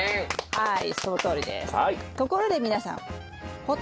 はい。